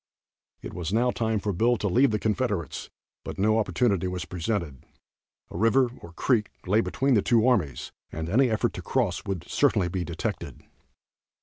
It was now time for Bill to leave the Confederates, but no opportunity was presented. A river, or creek, lay between the two armies, and any effort to cross would certainly be detected.